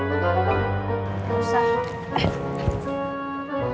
aku kalau disini strategies sekarang